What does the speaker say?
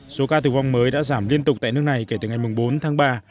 số ca tử vong mới đã giảm liên tục tại nước này kể từ ngày bốn tháng ba